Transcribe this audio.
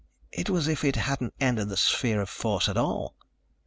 It was as if it hadn't entered the sphere of force at all.